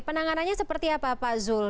penanganannya seperti apa pak zul